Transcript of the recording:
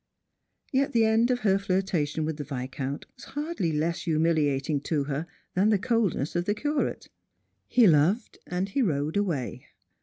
Yet the end of her flirtation with the Viscount was hardly less humiliating to her than the coldness of the Curate. He loved and he rode away.